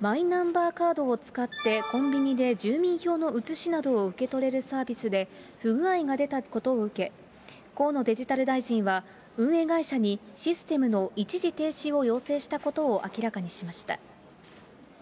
マイナンバーカードを使ってコンビニで住民票の写しなどを受け取れるサービスで、不具合が出たことを受け、河野デジタル大臣は運営会社にシステムの一時停止を要請したことを明らかにしました。